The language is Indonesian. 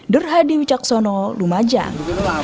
durhadi wicaksono lumajang